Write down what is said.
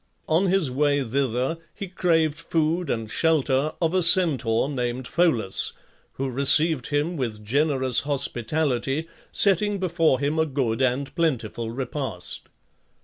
On his way thither he craved food and shelter of a Centaur named Pholus, who received him with generous hospitality, setting before him a good and plentiful repast.